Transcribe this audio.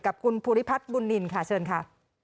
กับคุณภูริพัฒน์บุญนินค่ะเชิญค่ะ